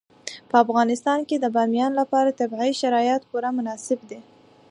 په افغانستان کې د بامیان لپاره طبیعي شرایط پوره مناسب دي.